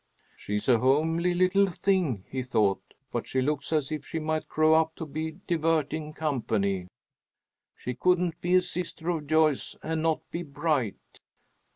"She's a homely little thing," he thought, "but she looks as if she might grow up to be diverting company. She couldn't be a sister of Joyce's and not be bright."